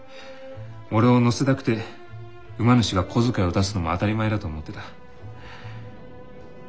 俺を乗せたくて馬主が小遣いを出すのも当たり前だと思ってた。